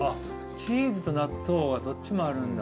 チーズと納豆はどっちもあるんだ。